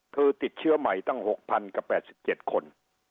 คือติดเชื้อใหม่ตั้ง๖๐๐กับ๘๗คน